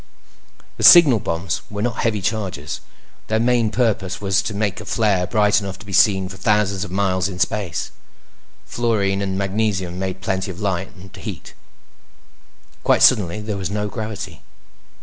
The signal bombs were not heavy charges; their main purposes was to make a flare bright enough to be seen for thousands of miles in space. Fluorine and magnesium made plenty of light—and heat. Quite suddenly, there was no gravity.